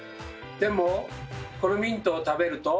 でもこのミントを食べると。